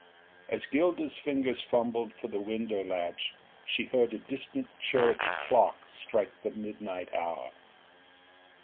As Gilda's fingers fumbled for the window latch she heard a distant church clock strike the midnight hour.